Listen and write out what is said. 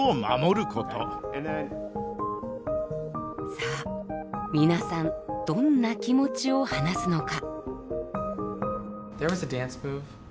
さあ皆さんどんな気持ちを話すのか？